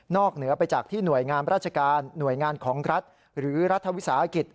เหนือไปจากที่หน่วยงามราชการหน่วยงานของรัฐหรือรัฐวิสาหกิจ